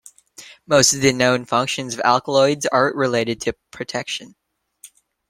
Most of the known functions of alkaloids are related to protection.